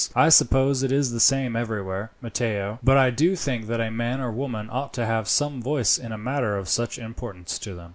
I suppose it is the same everywhere, Matteo, but I do think that a man or woman ought to have some voice in a matter of such importance to them."